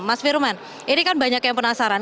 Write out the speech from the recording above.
mas firman ini kan banyak yang penasaran